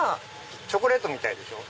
チョコレートみたいでしょ？